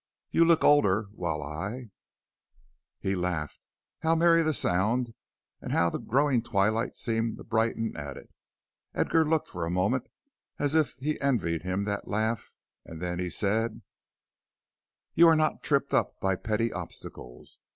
You look older, while I " He laughed. How merry the sound, and how the growing twilight seemed to brighten at it! Edgar looked for a moment as if he envied him that laugh, then he said: "You are not tripped up by petty obstacles.